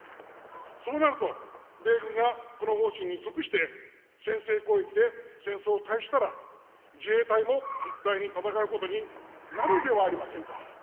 そうなると、米軍がこの方針に即して、先制攻撃で戦争を開始したら、自衛隊も一体に戦うことになるではありませんか。